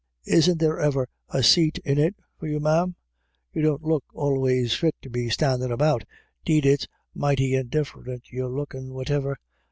Isn't there e'er a seat in it for you, ma'am ? You don't look anyways fit to be standin' about ; 'deed it's mighty indifferint you're lookin' whativer.